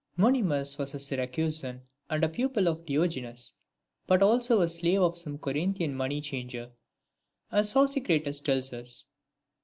I. MONIMUS was a Syracusan, and a pupil of Diogenes, but also a slave of some Corinthian money changer, as Sosicrates tells us.